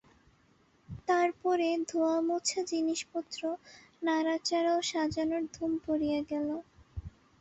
তার পরে ধোওয়ামোছা জিনিসপত্র-নাড়াচাড়া ও সাজানোর ধুম পড়িয়া গেল।